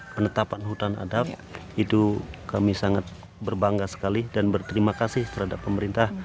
penetapan hutan adat itu kami sangat berbangga sekali dan berterima kasih terhadap pemerintah